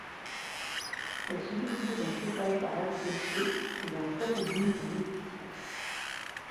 Elles sont équipées d'un chauffage par air pulsé et d'un statodyne pour l'électricité.